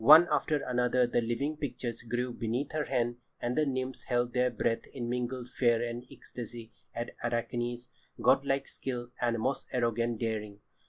One after another the living pictures grew beneath her hand, and the nymphs held their breath in mingled fear and ecstasy at Arachne's godlike skill and most arrogant daring.